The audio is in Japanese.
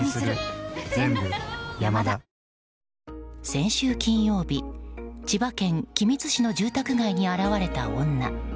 先週金曜日千葉県君津市の住宅街に現れた女。